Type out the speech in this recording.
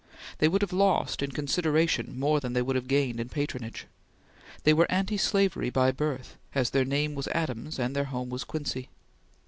They would have lost in consideration more than they would have gained in patronage. They were anti slavery by birth, as their name was Adams and their home was Quincy.